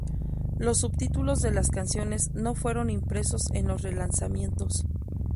Los subtítulos de las canciones no fueron impresos en los relanzamientos.